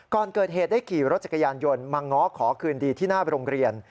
ก่อนเกิดเหตุได้ขี่รถจักรยานยนต์มาง้อขอคืนดีที่หน้าโรงเรียน